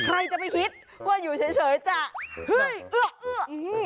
ใครจะไม่คิดว่าอยู่เฉยกระเร่ยจะเอื้อ